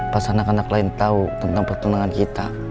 pas anak anak lain tau tentang pertunangan kita